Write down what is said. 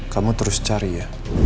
kamu terus cari ya